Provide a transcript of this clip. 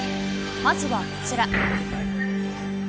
まずはこちら。